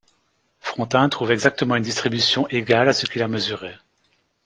Frontin trouve exactement une distribution égale à ce qu'il a mesuré.